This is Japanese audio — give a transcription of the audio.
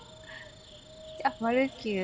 あっマルキュー。